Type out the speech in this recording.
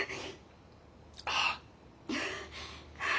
ああ。